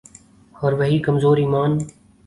اور وہی کمزور ایمان۔